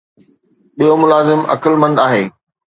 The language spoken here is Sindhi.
ٻيو ملازم عقلمند آهي